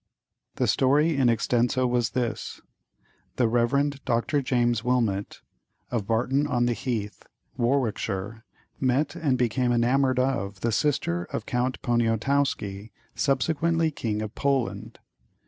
The story in extenso was this: the Rev. Dr. James Wilmot, of Barton on the Heath, Warwickshire, met and became enamoured of the sister of Count Poniatowski, subsequently King of Poland.